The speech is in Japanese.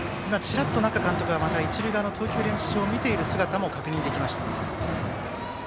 チラッと那賀監督が一塁側の投球練習場を見ている姿も確認できました。